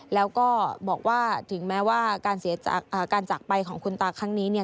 แล้วก็บอกว่าถึงแม้ว่าการจากไปของคุณตาครั้งนี้เนี่ย